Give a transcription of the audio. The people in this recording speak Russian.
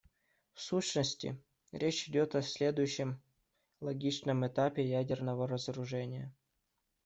В сущности, речь идет о следующем логичном этапе ядерного разоружения.